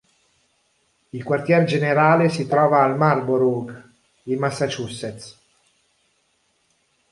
Il quartier generale si trova a Marlborough in Massachusetts.